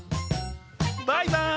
バイバーイ！